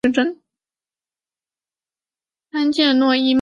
参见诺伊曼边界条件。